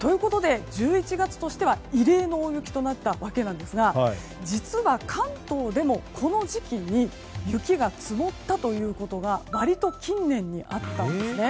１１月としては異例の大雪となったわけなんですが実は関東でも、この時期に雪が積もったということが割と近年にあったんですね。